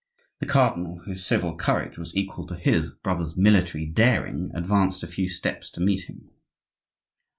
The cardinal, whose civil courage was equal to his brother's military daring, advanced a few steps to meet him.